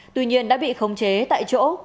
tuy nhiên đã bị khống chế tại chỗ